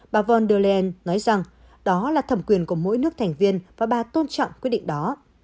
bà von der leyen nói rằng đó là thẩm quyền của mỗi nước thành viên và bà tôn trọng quyết định đó